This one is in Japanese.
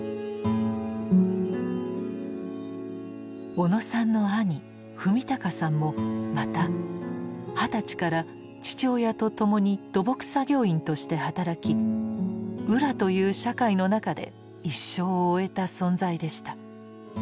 小野さんの兄史敬さんもまた二十歳から父親と共に土木作業員として働き「浦」という社会の中で一生を終えた存在でした。